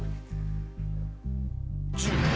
１０。